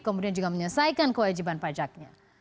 kemudian juga menyelesaikan kewajiban pajaknya